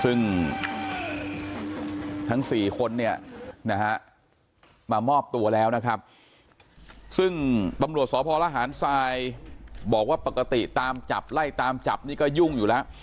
ซึ่งทั้ง๔คนเนี่ยนะฮะมามอบตัวแล้วนะครับซึ่งตำรวจสพรหารทรายบอกว่าปกติตามจับไล่ตามจับนี่ก็ยุ่งอยู่แล้ว